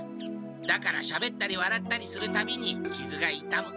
だからしゃべったりわらったりするたびにきずがいたむ。